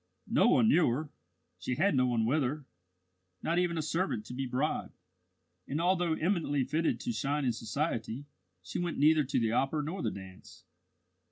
No one knew her; she had no one with her not even a servant to be bribed and although eminently fitted to shine in society, she went neither to the opera nor the dance.